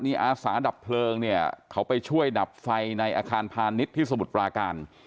นี่อาสาดับเพลิงเนี่ยเขาไปช่วยดับไฟในอาคารพาณิชย์ที่สมุทรปราการ